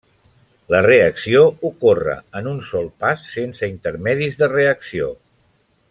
La reacció ocorre en un sol pas sense intermedis de reacció.